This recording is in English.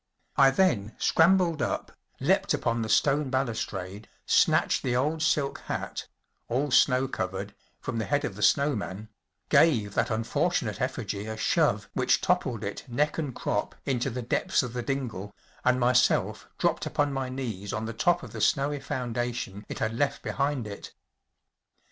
I then scrambled up, leapt upon the stone balus¬ trade, snatched the old silk hat‚ÄĒall snow covered‚ÄĒfrom the head of the snow man, gave that unfortunate effigy a shove which toppled it neck and crop into the depths of the dingle, and myself dropped upon my knees on the top of the snowy foundation it had left behind it.